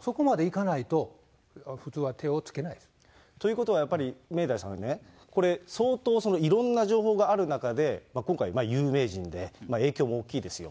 そこまでいかないと、普通はということは、やっぱり明大さんね、これ、相当そのいろんな情報がある中で、今回、有名人で、影響も大きいですよ。